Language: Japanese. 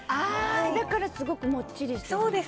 だからすごくもっちりしてるんだ。